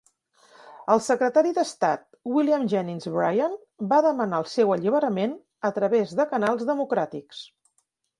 El Secretari d'Estat William Jennings Bryan va demanar el seu alliberament a través de canals democràtics.